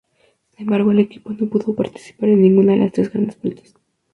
Sin embargo, el equipo no pudo participar en ninguna de las tres Grandes Vueltas.